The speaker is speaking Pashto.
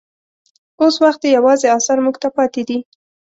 اوس وخت یې یوازې اثار موږ ته پاتې دي.